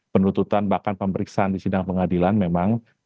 penutupan bahkan pemeriksaan di sindang pengadilan memang